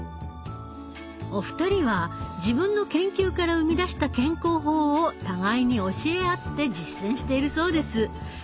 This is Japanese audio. お二人は自分の研究から生み出した健康法を互いに教え合って実践しているそうです。